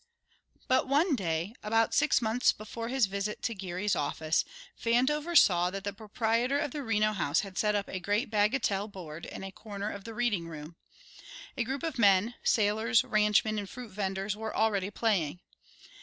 But one day, about six months before his visit to Geary's office, Vandover saw that the proprietor of the Reno House had set up a great bagatelle board in a corner of the reading room. A group of men, sailors, ranchmen, and fruit venders were already playing.